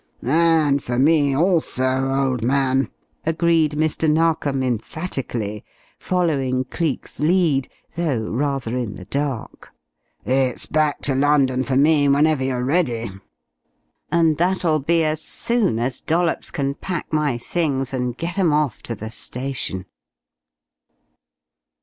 "And for me also, old man!" agreed Mr. Narkom, emphatically, following Cleek's lead though rather in the dark. "It's back to London for me, whenever you're ready." "And that'll be as soon as Dollops can pack my things and get 'em off to the station."